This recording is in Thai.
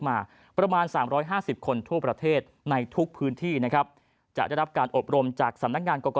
มาประมาณ๓๕๐คนทั่วประเทศในทุกพื้นที่นะครับจะได้รับการอบรมจากสำนักงานกรก